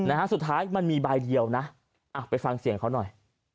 นะฮะสุดท้ายมันมีใบเดียวนะอ่ะไปฟังเสียงเขาหน่อย